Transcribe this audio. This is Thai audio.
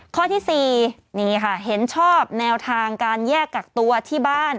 ข้อที่๔นี่ค่ะเห็นชอบแนวทางการแยกกักตัวที่บ้าน